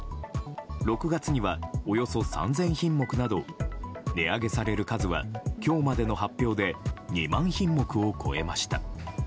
６月にはおよそ３０００品目など値上げされる数は今日までの発表で２万品目を超えました。